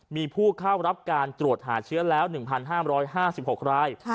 มีผู้เข้ารับการตรวจหาเชื้อแล้ว๑๕๕๖ราย